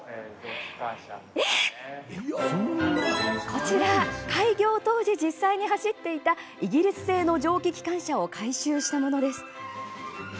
こちらは開業当時実際に走っていたイギリス製の蒸気機関車を改修したもの。